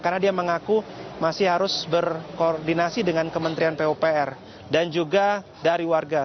karena dia mengaku masih harus berkoordinasi dengan kementerian pupr dan juga dari warga